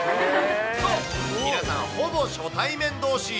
そう、皆さんほぼ初対面どうし。